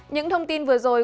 những thông tin vừa rồi